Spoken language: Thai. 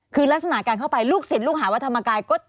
คือลักษณะการเข้าไปลูกศิษย์ลูกหาวัฒนธรรมกายก็